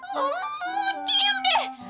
lo diam deh